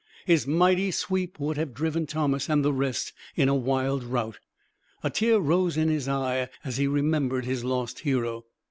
His mighty sweep would have driven Thomas and the rest in a wild rout. A tear rose in his eye as he remembered his lost hero.